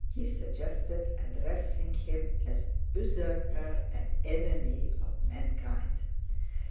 He suggested addressing him as 'Usurper and Enemy of Mankind.